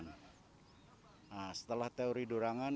nah setelah itu kami lakukan teori di ruangan